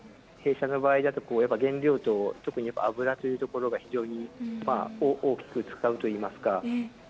弊社の場合だとやっぱり原料と、特にやっぱ油というところが非常に大きく使うといいますか。